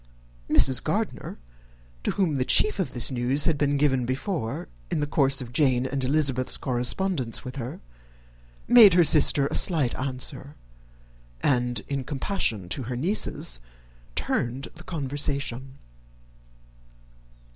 Mrs. Gardiner, to whom the chief of this news had been given before, in the course of Jane and Elizabeth's correspondence with her, made her sister a slight answer, and, in compassion to her nieces, turned the conversation.